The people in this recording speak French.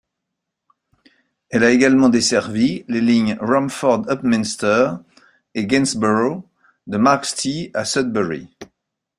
Elle a également desservi les lignes Romford-Upminster et Gainsborough de Marks Tey à Sudbury.